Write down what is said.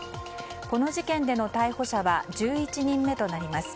この事件での逮捕者は１１人目となります。